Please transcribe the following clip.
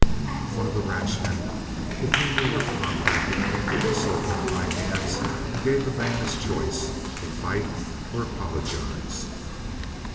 One of the ranchmen with whom we were contracting took the insult off my hands and gave the man his choice, to fight or apologize.